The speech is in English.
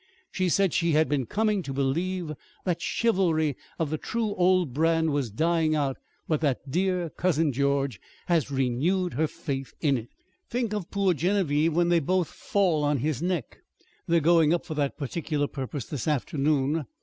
She said she had been coming to believe that chivalry of the old true brand was dying out, but that dear Cousin George has renewed her faith in it. "Think of poor Genevieve when they both fall on his neck. They're going up for that particular purpose this afternoon.